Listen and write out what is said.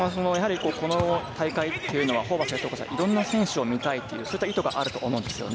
この大会というのはホーバスＨＣはいろんな選手を見たいという意図があると思います。